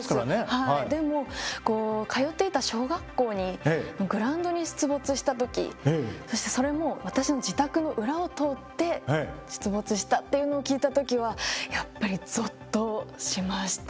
でも通っていた小学校にグラウンドに出没した時そしてそれも私の自宅の裏を通って出没したというのを聞いた時はやっぱりゾッとしました。